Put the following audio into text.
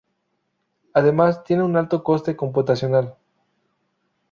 Además, tienen un alto coste computacional.